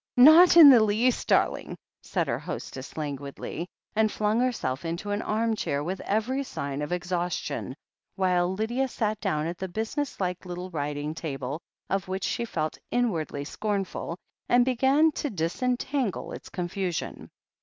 "Not in the least, darling," said her hostess lan guidly, and flung herself into an arm chair with every sign of exhaustion, while Lydia sat down at the un business like little writing table, of which she felt inwardly scornful, and began to disentangle its con fusion.